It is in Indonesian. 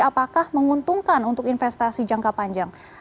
apakah menguntungkan untuk investasi jangka panjang